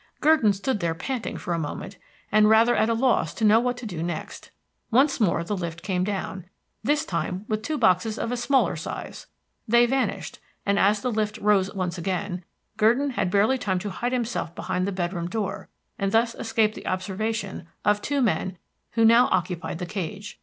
Gurdon stood there panting for a moment, and rather at a loss to know what to do next. Once more the lift came down, this time with two boxes of a smaller size. They vanished; and as the lift rose once again, Gurdon had barely time to hide himself behind the bedroom door, and thus escape the observation of two men who now occupied the cage.